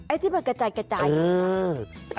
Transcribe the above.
ไอ้ที่มันกระจายอยู่กันเออ